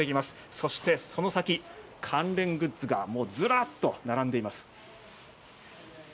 そして、その先関連グッズがもうずらっと並んでいます。